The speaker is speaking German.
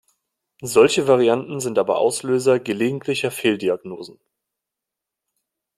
Solche Varianten sind aber Auslöser gelegentlicher Fehldiagnosen.